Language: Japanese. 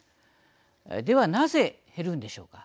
ではなぜ減るんでしょうか。